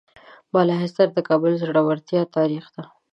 بالاحصار د کابل د زړورتیا تاریخ ده.